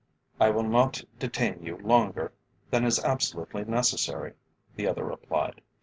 "I will not detain you longer than is absolutely necessary," the other replied.